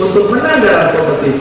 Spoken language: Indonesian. dan perubahan daripada teknologi tadi